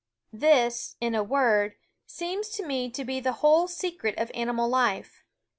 This, in a word, seems to me to be the whole secret of animal life.